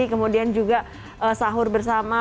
kemudian juga sahur bersama